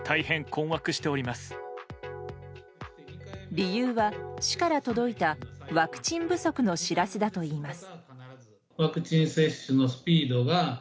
理由は、市から届いたワクチン不足の知らせだといいます。